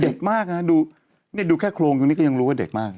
เด็กมากนะดูแค่โครงตรงนี้ก็ยังรู้ว่าเด็กมาก